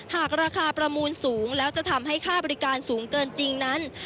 หากราคาประมูลสูงแล้วจะทำให้ค่าบริการสูงเกินจริงนั้น